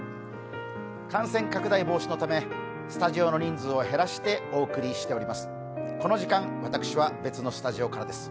感染拡大防止のためスタジオの人数を減らしてお送りしています。